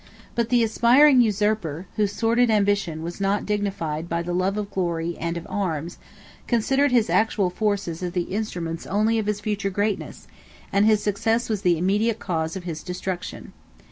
But the aspiring usurper, whose sordid ambition was not dignified by the love of glory and of arms, considered his actual forces as the instruments only of his future greatness, and his success was the immediate cause of his destruction.